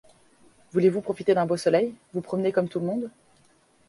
Voulez-vous profiter d'un beau soleil, vous promener comme tout le monde ?